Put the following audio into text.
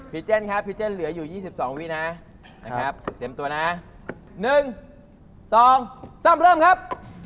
เจนครับพี่เจนเหลืออยู่๒๒วินะนะครับเตรียมตัวนะ๑๒ซ่ำเริ่มครับ